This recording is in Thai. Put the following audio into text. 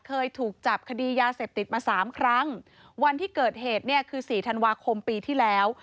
เคยถูกจับคดียาเสพติดมาสามครั้งวันที่เกิดเหตุเนี่ยคือสี่ธันวาคมปีที่แล้ว